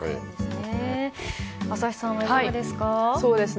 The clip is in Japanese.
朝日さんはいかがですか？